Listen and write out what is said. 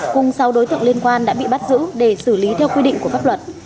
cùng sau đối tượng liên quan đã bị bắt giữ để xử lý theo quy định của pháp luật